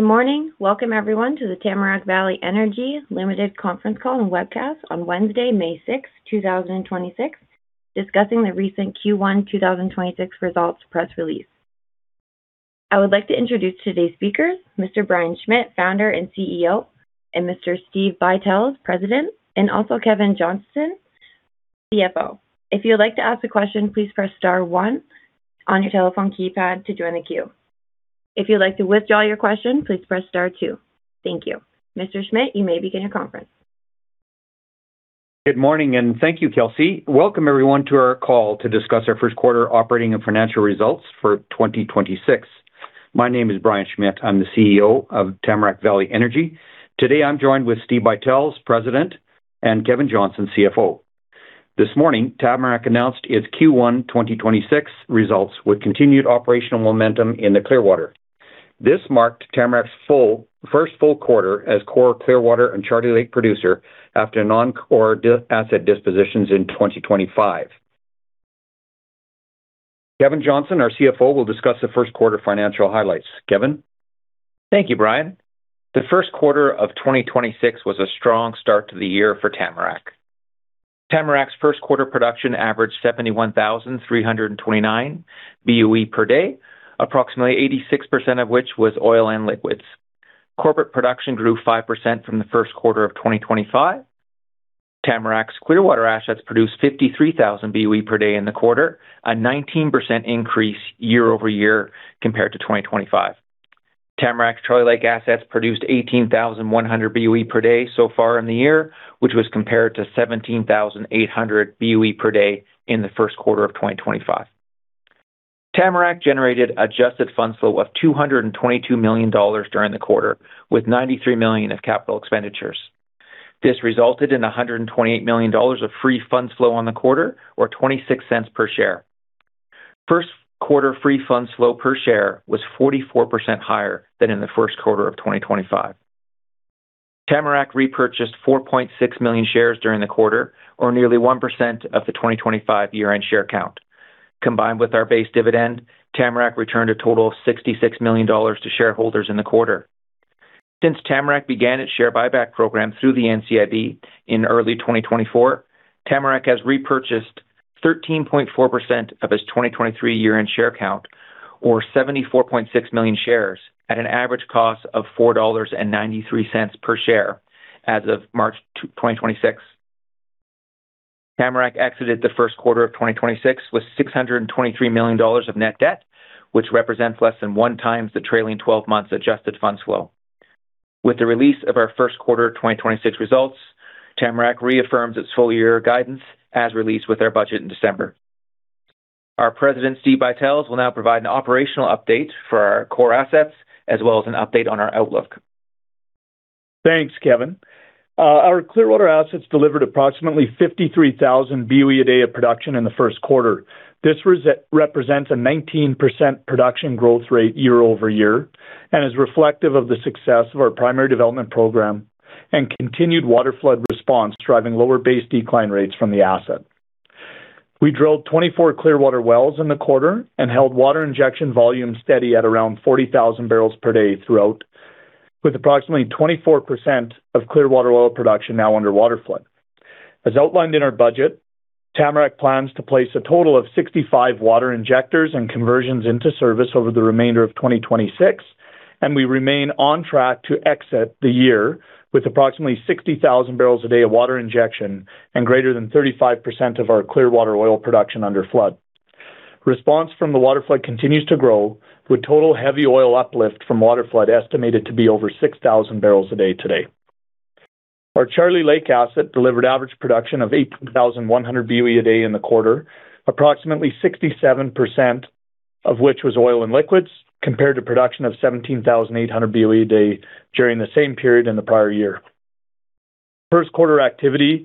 Good morning. Welcome, everyone, to the Tamarack Valley Energy Ltd. conference call and webcast on Wednesday, May 6, 2026, discussing the recent Q1 2026 results press release. I would like to introduce today's speakers, Mr. Brian Schmidt, founder and CEO, and Mr. Steve Buytels, President, and also Kevin Johnston, CFO. If you would like to ask a question, please press star one on your telephone keypad to join the queue. If you'd like to withdraw your question, please press star two. Thank you. Mr. Schmidt, you may begin your conference. Good morning, and thank you, Kelsey. Welcome, everyone, to our call to discuss our first quarter operating and financial results for 2026. My name is Brian Schmidt. I'm the CEO of Tamarack Valley Energy. Today, I'm joined with Steve Buytels, President, and Kevin Johnston, CFO. This morning, Tamarack announced its Q1 2026 results with continued operational momentum in the Clearwater. This marked Tamarack's first full quarter as core Clearwater and Charlie Lake producer after non-core asset dispositions in 2025. Kevin Johnston, our CFO, will discuss the first quarter financial highlights. Kevin? Thank you, Brian. The first quarter of 2026 was a strong start to the year for Tamarack. Tamarack's first quarter production averaged 71,329 BOE per day, approximately 86% of which was oil and liquids. Corporate production grew 5% from the first quarter of 2025. Tamarack's Clearwater assets produced 53,000 BOE per day in the quarter, a 19% increase year-over-year compared to 2025. Tamarack's Charlie Lake assets produced 18,100 BOE per day so far in the year, which was compared to 17,800 BOE per day in the first quarter of 2025. Tamarack generated adjusted funds flow of CAD 222 million during the quarter, with CAD 93 million of capital expenditures. This resulted in CAD 128 million of free funds flow on the quarter or 0.26 per share. First quarter free funds flow per share was 44% higher than in the first quarter of 2025. Tamarack repurchased 4.6 million shares during the quarter or nearly 1% of the 2025 year-end share count. Combined with our base dividend, Tamarack returned a total of 66 million dollars to shareholders in the quarter. Since Tamarack began its share buyback program through the NCIB in early 2024, Tamarack has repurchased 13.4% of its 2023 year-end share count or 74.6 million shares at an average cost of 4.93 dollars per share as of March 2026. Tamarack exited the first quarter of 2026 with 623 million dollars of net debt, which represents less than one times the trailing 12 months adjusted funds flow. With the release of our first quarter of 2026 results, Tamarack reaffirms its full-year guidance as released with our budget in December. Our President, Steve Buytels, will now provide an operational update for our core assets as well as an update on our outlook. Thanks, Kevin. Our Clearwater assets delivered approximately 53,000 BOE a day of production in the first quarter. This represents a 19% production growth rate year-over-year and is reflective of the success of our primary development program and continued waterflood response, driving lower base decline rates from the asset. We drilled 24 Clearwater wells in the quarter and held water injection volume steady at around 40,000 barrels per day throughout, with approximately 24% of Clearwater oil production now under waterflood. As outlined in our budget, Tamarack plans to place a total of 65 water injectors and conversions into service over the remainder of 2026, and we remain on track to exit the year with approximately 60,000 barrels a day of water injection and greater than 35% of our Clearwater oil production under flood. Response from the waterflood continues to grow, with total heavy oil uplift from waterflood estimated to be over 6,000 barrels a day to date. Our Charlie Lake asset delivered average production of 18,100 BOE a day in the quarter, approximately 67% of which was oil and liquids compared to production of 17,800 BOE a day during the same period in the prior year. First quarter activity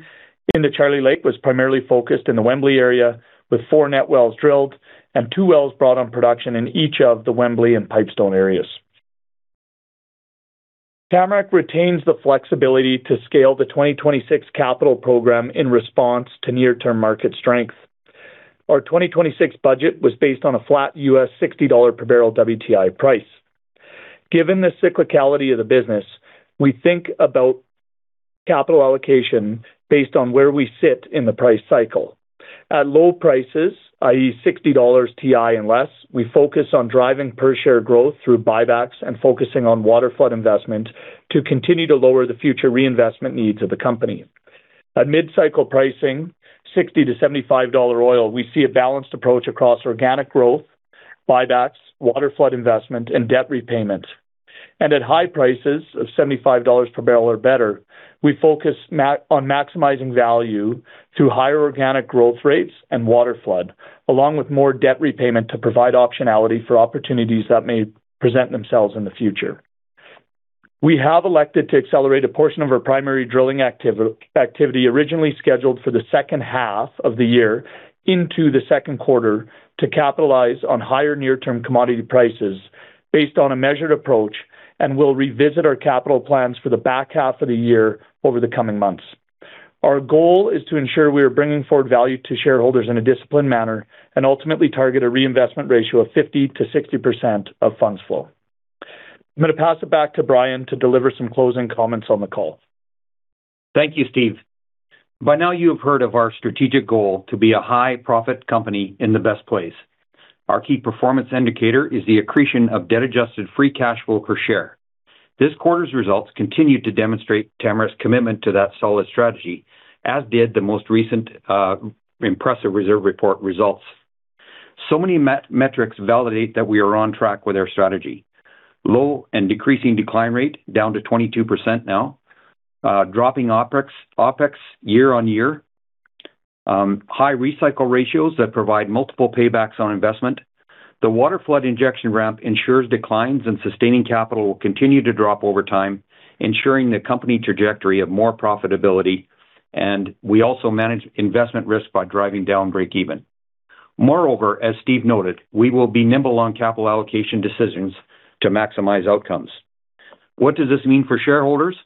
into Charlie Lake was primarily focused in the Wembley area, with four net wells drilled and two wells brought on production in each of the Wembley and Pipestone areas. Tamarack retains the flexibility to scale the 2026 capital program in response to near-term market strength. Our 2026 budget was based on a flat US $60 per barrel WTI price. Given the cyclicality of the business, we think about capital allocation based on where we sit in the price cycle. At low prices, i.e., $60 WTI and less, we focus on driving per share growth through buybacks and focusing on waterflood investment to continue to lower the future reinvestment needs of the company. At mid-cycle pricing, $60-$75 oil, we see a balanced approach across organic growth, buybacks, waterflood investment, and debt repayment. At high prices of $75 per barrel or better, we focus on maximizing value through higher organic growth rates and waterflood, along with more debt repayment to provide optionality for opportunities that may present themselves in the future. We have elected to accelerate a portion of our primary drilling activity, originally scheduled for the second half of the year, into the second quarter to capitalize on higher near-term commodity prices based on a measured approach. We'll revisit our capital plans for the back half of the year over the coming months. Our goal is to ensure we are bringing forward value to shareholders in a disciplined manner and ultimately target a reinvestment ratio of 50%-60% of funds flow. I'm gonna pass it back to Brian to deliver some closing comments on the call. Thank you, Steve. By now, you have heard of our strategic goal to be a high-profit company in the best place. Our key performance indicator is the accretion of debt-adjusted free cash flow per share. This quarter's results continued to demonstrate Tamarack's commitment to that solid strategy, as did the most recent impressive reserve report results. Many metrics validate that we are on track with our strategy. Low and decreasing decline rate, down to 22% now. Dropping OpEx year-over-year. High recycle ratio that provide multiple paybacks on investment. The waterflood injection ramp ensures declines and sustaining capital will continue to drop over time, ensuring the company trajectory of more profitability. We also manage investment risk by driving down break-even. Moreover, as Steve noted, we will be nimble on capital allocation decisions to maximize outcomes. What does this mean for shareholders?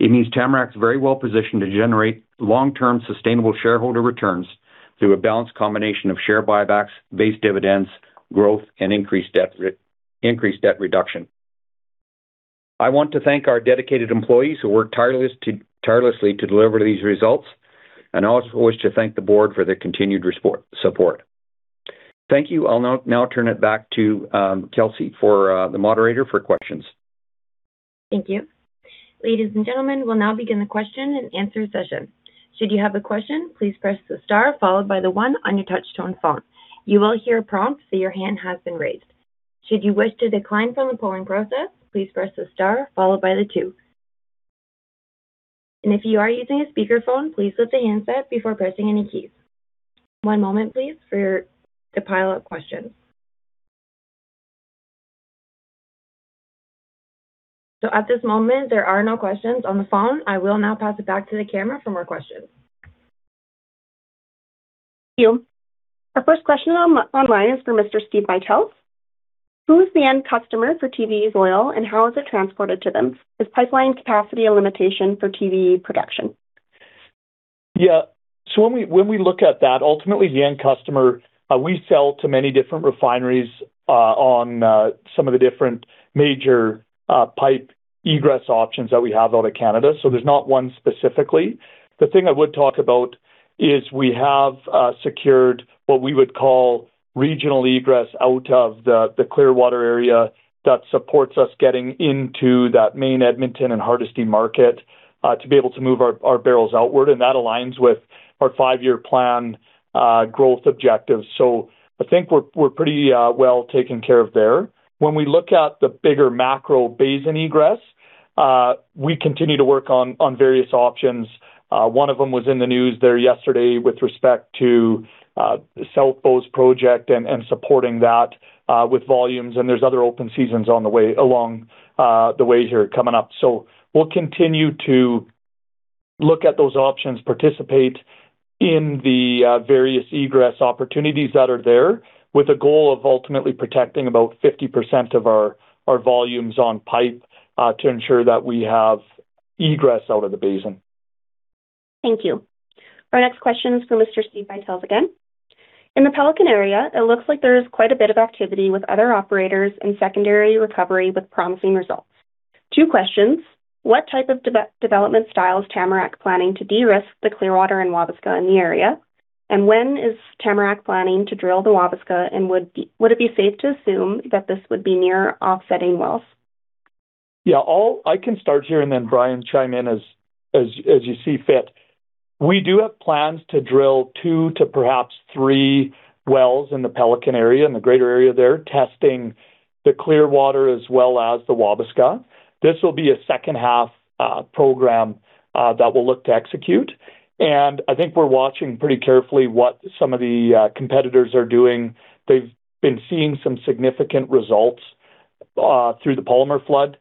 It means Tamarack is very well-positioned to generate long-term sustainable shareholder returns through a balanced combination of share buybacks, base dividends, growth, and increased debt reduction. I want to thank our dedicated employees who work tirelessly to deliver these results, and I also wish to thank the board for their continued support. Thank you. I'll now turn it back to Kelsey for the moderator for questions. Thank you. Ladies and gentlemen, we will now begin the question and answer session. Should you have a question, please press the star followed by one on your touch tone phone. You will hear a prompt that your hand has been raised. Should you wish to decline from the polling process, please press the star followed by two. If you are using a speakerphone, please lift the handset before pressing any keys. One moment, please, to pile up questions. At this moment, there are no questions on the phone. I will now pass it back to the company for more questions. Thank you. Our first question on online is for Mr. Steve Buytels. Who is the end customer for TVE's oil, and how is it transported to them? Is pipeline capacity a limitation for TVE production? When we look at that, ultimately, the end customer, we sell to many different refineries, on some of the different major pipe egress options that we have out of Canada, so there's not one specifically. The thing I would talk about is we have secured what we would call regional egress out of the Clearwater area that supports us getting into that main Edmonton and Hardisty market to be able to move our barrels outward, and that aligns with our five-year plan growth objectives. I think we're pretty well taken care of there. When we look at the bigger macro basin egress, we continue to work on various options. One of them was in the news there yesterday with respect to the South Bow project and supporting that with volumes, and there's other open seasons along the way here coming up. We'll continue to look at those options, participate in the various egress opportunities that are there with a goal of ultimately protecting about 50% of our volumes on pipe to ensure that we have egress out of the basin. Thank you. Our next question is for Mr. Steve Buytels again. In the Pelican area, it looks like there is quite a bit of activity with other operators and secondary recovery with promising results. Two questions. What type of development style is Tamarack planning to de-risk the Clearwater and Wabasca in the area? When is Tamarack planning to drill the Wabasca, would it be safe to assume that this would be near offsetting wells? I can start here, and then Brian chime in as you see fit. We do have plans to drill two to perhaps three wells in the Pelican area, in the greater area there, testing the Clearwater as well as the Wabasca. This will be a second half program that we'll look to execute, and I think we're watching pretty carefully what some of the competitors are doing. They've been seeing some significant results through the polymer flood.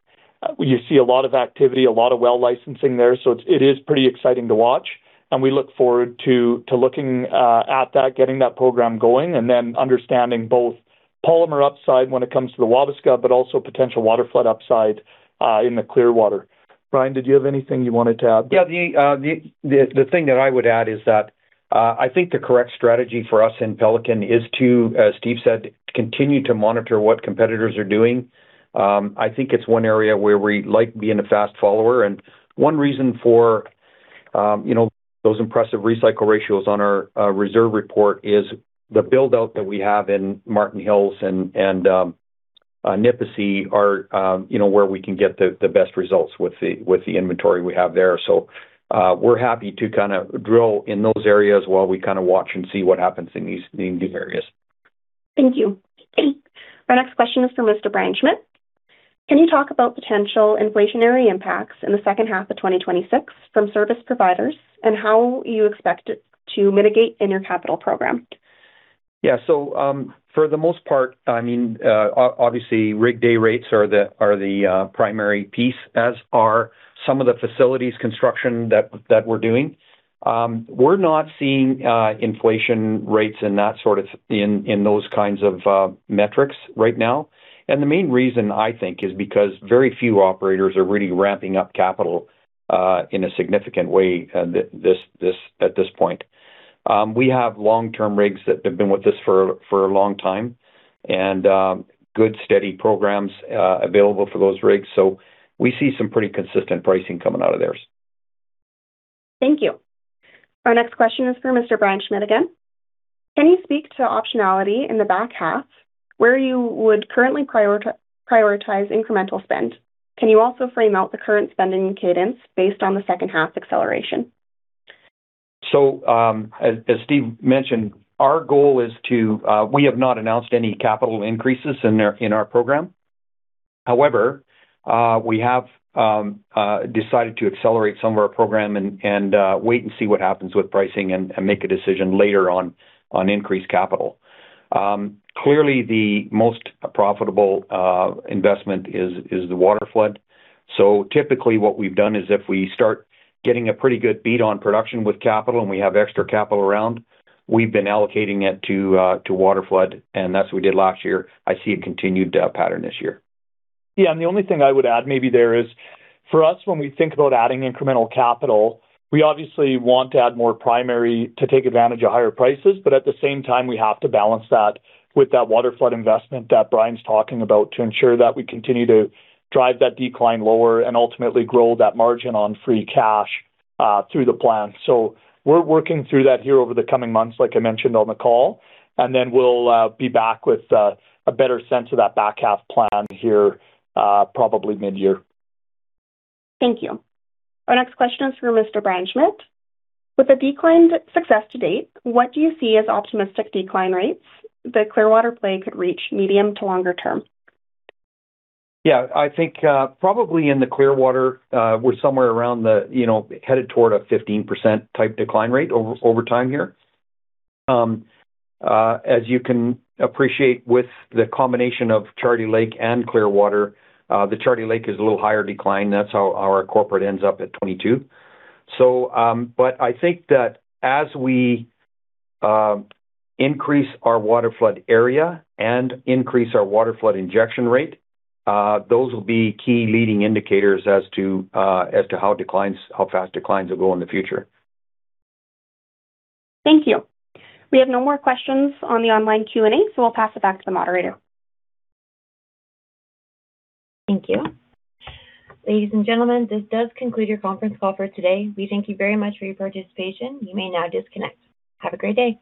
You see a lot of activity, a lot of well licensing there, so it's, it is pretty exciting to watch, and we look forward to looking at that, getting that program going, and then understanding both polymer upside when it comes to the Wabasca, but also potential waterflood upside in the Clearwater. Brian, did you have anything you wanted to add? Yeah. The thing that I would add is that I think the correct strategy for us in Pelican is to, as Steve said, to continue to monitor what competitors are doing. I think it's one area where we like being a fast follower. One reason for, you know, those impressive recycle ratio on our reserve report is the build-out that we have in Marten Hills and Nipisi are, you know, where we can get the best results with the inventory we have there. We're happy to kind of drill in those areas while we kind of watch and see what happens in these, in these areas. Thank you. Our next question is for Mr. Brian Schmidt. Can you talk about potential inflationary impacts in the second half of 2026 from service providers and how you expect it to mitigate in your capital program? Yeah. For the most part, I mean, obviously, rig day rates are the primary piece, as are some of the facilities construction that we're doing. We're not seeing inflation rates and that sort in those kinds of metrics right now. The main reason, I think, is because very few operators are really ramping up capital in a significant way at this point. We have long-term rigs that have been with us for a long time and good steady programs available for those rigs. We see some pretty consistent pricing coming out of theirs. Thank you. Our next question is for Mr. Brian Schmidt again. Can you speak to optionality in the back half where you would currently prioritize incremental spend? Can you also frame out the current spending cadence based on the second half acceleration? As Steve mentioned, our goal is to we have not announced any capital increases in our program. We have decided to accelerate some of our program and wait and see what happens with pricing and make a decision later on on increased capital. Clearly the most profitable investment is the waterflood. Typically what we've done is if we start getting a pretty good beat on production with capital and we have extra capital around, we've been allocating it to waterflood, and that's what we did last year. I see a continued pattern this year. The only thing I would add maybe there is, for us, when we think about adding incremental capital, we obviously want to add more primary to take advantage of higher prices. At the same time, we have to balance that with that waterflood investment that Brian's talking about to ensure that we continue to drive that decline lower and ultimately grow that margin on free funds flow through the plan. We're working through that here over the coming months, like I mentioned on the call, then we'll be back with a better sense of that back half plan here, probably mid-year. Thank you. Our next question is for Mr. Brian Schmidt. With the declined success to date, what do you see as optimistic decline rates the Clearwater Play could reach medium to longer term? Yeah. I think, probably in the Clearwater, we're somewhere around the, you know, headed toward a 15% type decline rate over time here. As you can appreciate with the combination of Charlie Lake and Clearwater, the Charlie Lake is a little higher decline. That's how our corporate ends up at 22%. But I think that as we increase our waterflood area and increase our waterflood injection rate, those will be key leading indicators as to how fast declines will go in the future. Thank you. We have no more questions on the online Q&A. I'll pass it back to the moderator. Thank you. Ladies and gentlemen, this does conclude your conference call for today. We thank you very much for your participation. You may now disconnect. Have a great day.